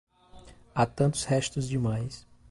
Há tantos restos demais.